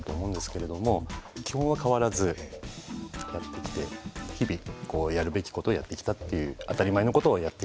基本は変わらずやってきて日々やるべき事をやってきた当たり前の事をやってきた。